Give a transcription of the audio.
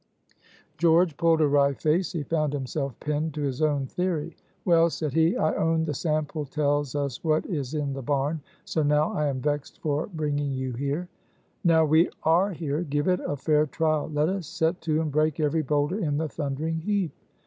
George pulled a wry face; he found himself pinned to his own theory. "Well," said he, "I own the sample tells us what is in the barn; so now I am vexed for bringing you here." "Now we are here, give it a fair trial; let us set to and break every bowlder in the thundering heap."